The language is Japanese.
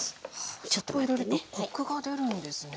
お砂糖入れるとコクが出るんですね。